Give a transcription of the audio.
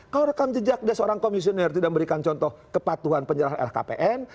kalau rekam jejak dia seorang komisioner tidak memberikan contoh kepatuhan penyerahan lhkpn